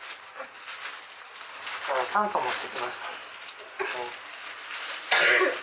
酸素持ってきました。